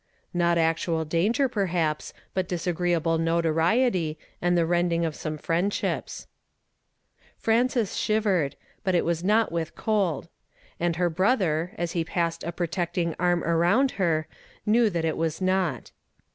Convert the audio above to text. " Not actual danger, perhaps, but disagreeable notoriety , and the rending of some friendships." "l WILL NOT liEFRAIN MY LIPS." 77 Frances shivered, but it was not with cold ; and her brother, as he passed a protecting arm around her, knew that it was not.